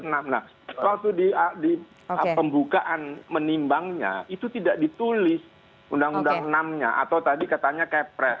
nah waktu di pembukaan menimbangnya itu tidak ditulis undang undang enam nya atau tadi katanya kepres